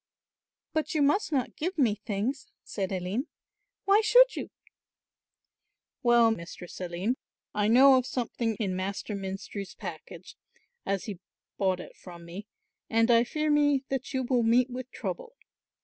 "But you must not give me things," said Aline. "Why should you?" "Well, Mistress Aline, I know of something in Master Menstrie's package, as he bought it from me, and I fear me that you will meet with trouble.